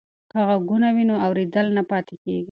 که غوږونه وي نو اوریدل نه پاتیږي.